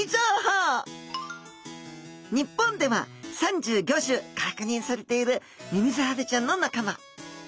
日本では３５種確認されているミミズハゼちゃんの仲間。